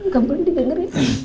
gak boleh didengerin